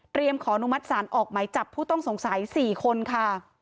เตรียมขอนุมัติศาลออกหมายจับผู้ต้องสงสัย๔คนค่ะ